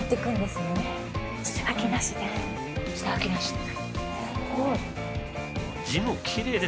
すごい。